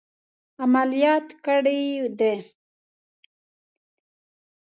عملیات کړي دي.